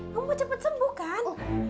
kamu mau cepat sembuh kan